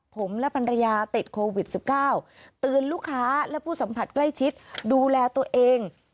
ผมและภรรยาติดโควิด๑๙เตือนลูกค้าและผู้สัมผัสใกล้ชิดดูแลตัวเอง